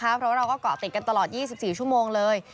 เพราะว่าเราก็เกาะติดกันตลอด๒๔ชั่วโมงเลย